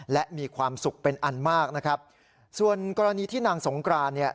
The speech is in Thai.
และมีความสุขเป็นอันมากนะครับส่วนกรณีที่นางสงกรานเนี่ย